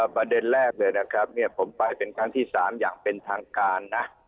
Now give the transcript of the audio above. ประเด็นแรกเลยนะครับผมไปเป็นครั้งที่๓อย่างเป็นทางการนะ